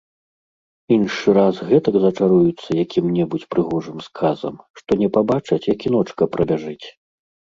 Іншы раз гэтак зачаруюцца якім-небудзь прыгожым сказам, што не пабачаць, як і ночка прабяжыць.